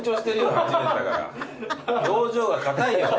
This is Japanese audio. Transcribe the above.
表情が硬いよ